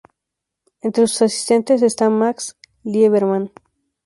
Entre sus asistentes, está Max Liebermann.